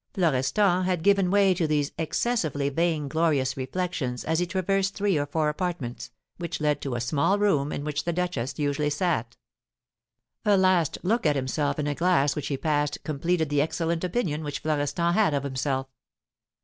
Florestan had given way to these excessively vain glorious reflections as he traversed three or four apartments, which led to a small room in which the duchess usually sat. A last look at himself in a glass which he passed completed the excellent opinion which Florestan had of himself.